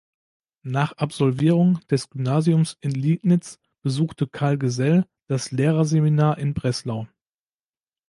Nach Absolvierung des Gymnasiums in Liegnitz besuchte Karl Gesell das Lehrerseminar in Breslau.